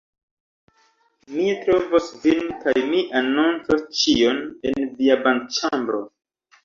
Mi trovos vin kaj mi anoncos ĉion... en via banĉambro...